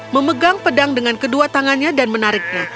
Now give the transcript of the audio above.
memegang pedang dengan kedua tangannya dan menariknya